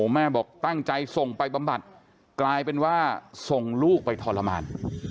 แม่บอกตั้งใจส่งไปบำบัดกลายเป็นว่าส่งลูกไปทรมาน